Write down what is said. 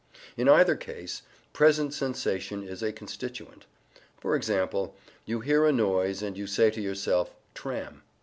In either case, present sensation is a constituent. For example, you hear a noise, and you say to yourself "tram."